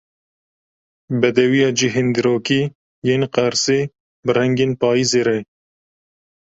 Bedewiya cihên dîrokî yên Qersê bi rengên payizê re.